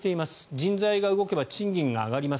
人材が動けば賃金が上がります。